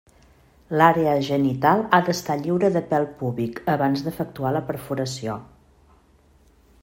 L'àrea genital ha d'estar lliure de pèl púbic abans d'efectuar la perforació.